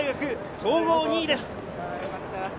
総合２位です。